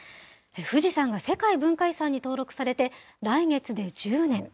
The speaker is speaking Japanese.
富士山が世界文化遺産に登録されて、来月で１０年。